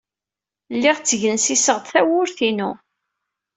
Lliɣ ttgensiseɣ-d tamurt-inu.